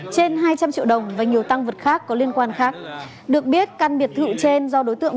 trên hai trăm linh triệu đồng và nhiều tăng vật khác có liên quan khác được biết căn biệt thự trên do đối tượng